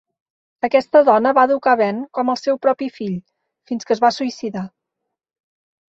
Aquesta dona va educar Ben com el seu propi fill, fins que es va suïcidar.